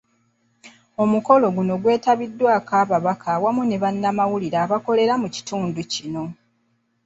Omukolo guno gwetabiddwako ababaka wamu ne bannamawulire abakolera mu kitundu kino.